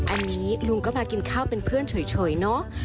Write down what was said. อันนี้ลุงก็มากินข้าวเป็นเพื่อนเฉยเนอะ